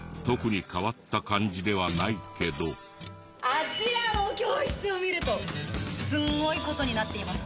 あちらの教室を見るとすんごい事になっています。